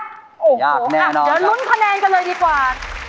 ยากแน่นอนครับเดี๋ยวลุ้นคะแนนกันเลยดีกว่า